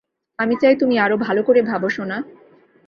আমি চাই তুমি আরও ভালো করে ভাবো, সোনা।